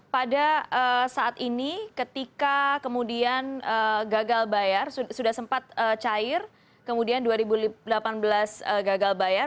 pada saat ini ketika kemudian gagal bayar sudah sempat cair kemudian dua ribu delapan belas gagal bayar